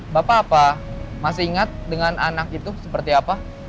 bapak apa masih ingat dengan anak itu seperti apa